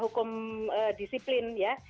hukum disiplin ya